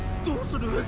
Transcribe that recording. どうする？